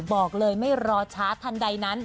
บอกเลยไม่รอช้าทันใดนั้น